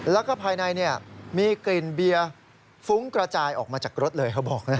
แล้วก็ภายในมีกลิ่นเบียร์ฟุ้งกระจายออกมาจากรถเลยเขาบอกนะ